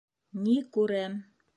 Ни күрәм...